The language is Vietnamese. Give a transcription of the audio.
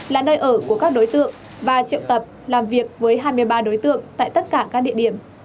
là nơi ở của các đối tượng và triệu tập làm việc với hai mươi ba đối tượng tại tất cả các địa điểm